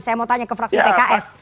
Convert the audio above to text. saya mau tanya ke fraksi pks